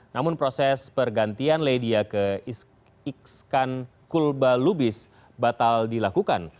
namun proses pergantian ledia ke ikskan kulba lubis batal dilakukan